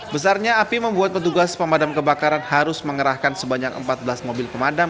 besarnya api membuat petugas pemadam kebakaran harus mengerahkan sebanyak empat belas mobil pemadam